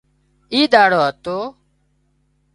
اي ۮياۯو هتو